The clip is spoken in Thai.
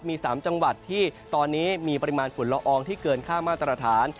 มี๓จังหวัดที่ตอนนี้มีปริมาณฝุ่นละอองที่เกินค่ามาตรฐาน